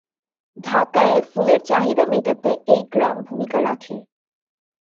ঢাকায় ফুলের চাহিদা মেটাতে এই গ্রাম ভূমিকা রাখে।